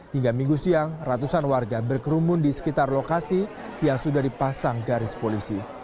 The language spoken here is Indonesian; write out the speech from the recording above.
hingga minggu siang ratusan warga berkerumun di sekitar lokasi yang sudah dipasang garis polisi